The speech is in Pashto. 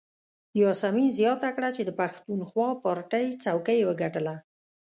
یاسمین زیاته کړه چې د پښتونخوا پارټۍ څوکۍ یې وګټله.